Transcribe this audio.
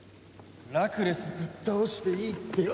ラクレスぶっ倒していいってよ。